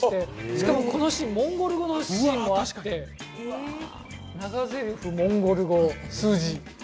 しかもこのシーン、モンゴル語のシーンもあって長ぜりふ、モンゴル語、数字。